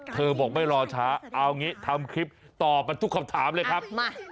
เธอบอกไม่รอช้าเอาอย่างนี้ทำคลิปตอบกันทุกคำถามเลยครับ